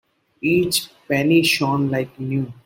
Each penny shone like new.